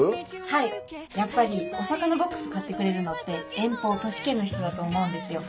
はいやっぱりお魚ボックス買ってくれるのって遠方都市圏の人だと思うんですよ。